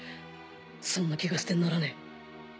そんな気がしてならねえ。